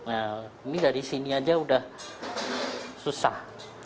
nah ini dari sini saja sudah susah